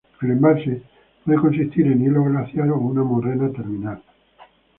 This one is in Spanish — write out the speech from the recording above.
El embalse puede consistir en hielo glaciar o una morrena terminal.